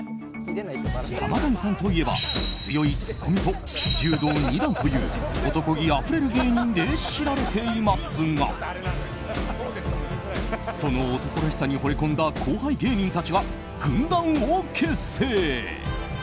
浜谷さんといえば強いツッコミと柔道２段という男気あふれる芸人で知られていますがその男らしさにほれ込んだ後輩芸人たちが軍団を結成。